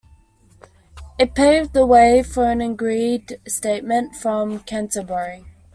It paved the way for an agreed statement from Canterbury.